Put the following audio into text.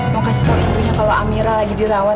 mau kasih tau ibunya kalo amira lagi dirawat